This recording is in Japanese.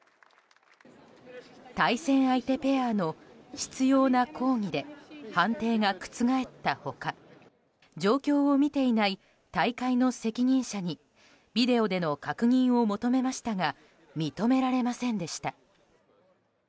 対戦相手ペアの執拗な抗議で判定が覆った他状況を見ていない大会の責任者にビデオでの確認を求めましたが認められませんでした。